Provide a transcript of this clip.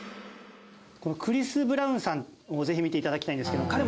クリス・ブラウンさんをぜひ見ていただきたいんですけど。